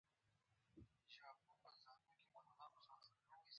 د بنسټونو زبېښونکی ماهیت تغیر نه شو.